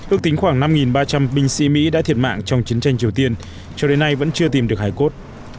ước tính khoảng năm ba trăm linh binh sĩ mỹ đã thiệt mạng trong chiến tranh triều tiên cho đến nay vẫn chưa tìm được hải cốt